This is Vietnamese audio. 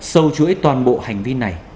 sâu chuỗi toàn bộ hành vi này